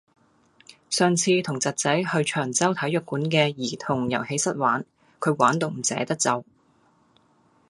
上次同侄仔去長洲體育館嘅兒童遊戲室玩，佢玩到唔捨得走。